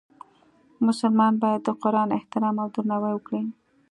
مسلمان باید د قرآن احترام او درناوی وکړي.